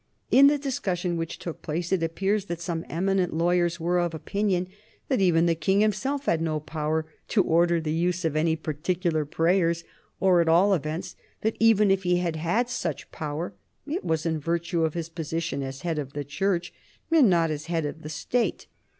In the discussion which took place it appears that some eminent lawyers were of opinion that even the King himself had no power to order the use of any particular prayers, or, at all events, that even if he had any such power it was in virtue of his position as head of the Church and not as head of the State.